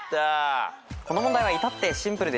この問題は至ってシンプルです。